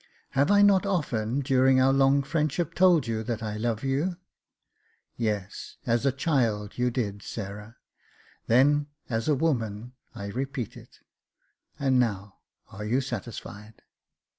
Have I not often, during our long friendship, told you that I love you ?"" Yes, as a child you did, Sarah." " Then, as a woman, I repeat it. And now are you satisfied